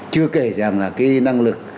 chưa kể rằng là cái năng lực